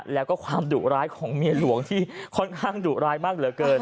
แล้วก็ความดุร้ายของเมียหลวงที่ค่อนข้างดุร้ายมากเหลือเกิน